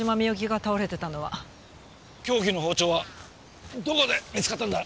凶器の包丁はどこで見つかったんだ？